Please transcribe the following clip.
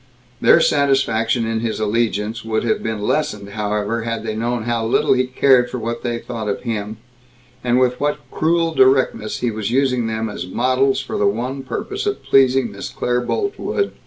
Their satisfaction in his allegiance would have been lessened, however, had they known how little he cared for what they thought of him, and with what cruel directness he was using them as models for the one purpose of pleasing Miss Claire Boltwood.